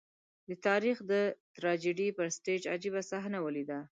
د تاریخ د ټراجېډي پر سټېج عجيبه صحنه ولیده.